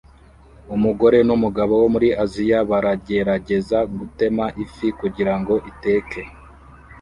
Umugore numugabo wo muri Aziya baragerageza gutema ifi kugirango iteke